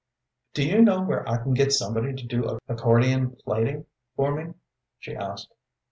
"Do you know where I can get somebody to do accordion plaiting for me?" she asked.